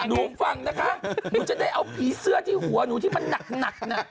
หนูฟังนะคะพี่มจะได้เอาผีเสื้อที่หัวหนูที่มันหนักนะ